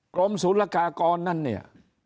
กรมศูนย์ละกากรนั้นเนี่ย